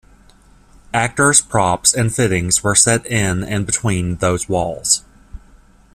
Actors, props and fittings were set in and between those walls.